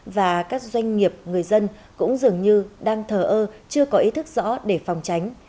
và các doanh nghiệp người dân cũng dường như đang thờ ơ chưa có ý thức rõ để phòng tránh